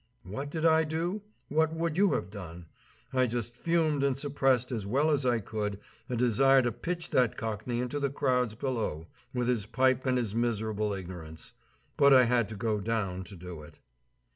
What did I do? What would you have done? I just fumed and suppressed as well as I could a desire to pitch that cockney into the crowds below, with his pipe and his miserable ignorance. But I had to go down to do it.